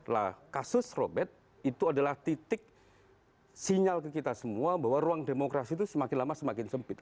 nah kasus robert itu adalah titik sinyal ke kita semua bahwa ruang demokrasi itu semakin lama semakin sempit